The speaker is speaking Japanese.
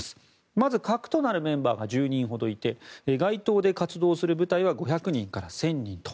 まず核となるメンバーが１０人ほどいて街頭で活動する部隊は５００人から１０００人と。